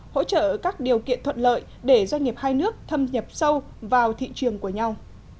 hỗ trợ các điều kiện thuận lợi để doanh nghiệp hai nước thâm nhập sâu vào thị trường của nhau